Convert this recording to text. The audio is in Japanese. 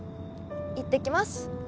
いってきます。